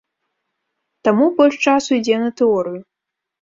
Таму больш часу ідзе на тэорыю.